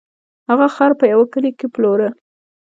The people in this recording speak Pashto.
هغه خر په یوه کلي کې پلوره.